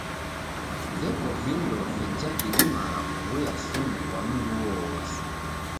Veko vindo vija vidimagha kuw'uya sumu kwa mndu uowose.